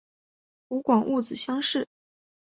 湖广戊子乡试。